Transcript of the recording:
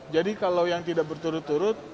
jadi kalau yang tidak berturut turut